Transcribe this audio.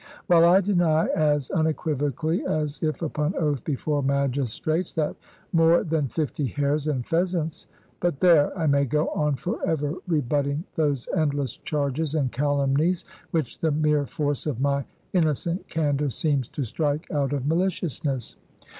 While I deny as unequivocally as if upon oath before magistrates, that more than fifty hares and pheasants but there! I may go on for ever rebutting those endless charges and calumnies, which the mere force of my innocent candour seems to strike out of maliciousness.